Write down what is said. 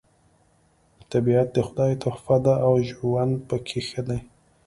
طبیعت د خدای تحفه ده او ژوند پکې ښه دی